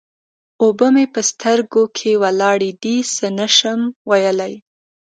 اوبه مې په سترګو کې ولاړې دې؛ څه نه شم ويلای.